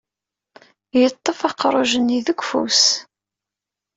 Yeṭṭef aqruj-nni deg ufus.